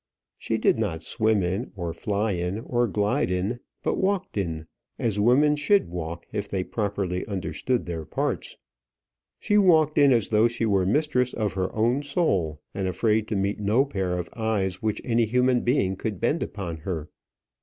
She did not swim in, or fly in, or glide in, but walked in, as women should walk if they properly understood their parts. She walked in as though she were mistress of her own soul, and afraid to meet no pair of eyes which any human being could bend upon her.